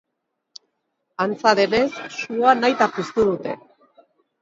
Antza denez, sua nahita piztu dute.